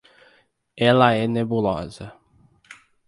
Ela é nebulosa.